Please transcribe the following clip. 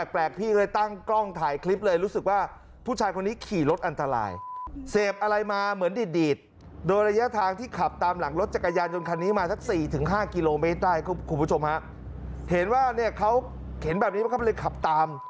เห็นว่าเขาเห็นแบบนี้เขาก็เลยขับตาม